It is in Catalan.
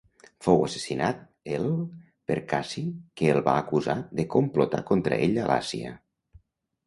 Fou assassinat el per Cassi que el va acusar de complotar contra ell a l'Àsia.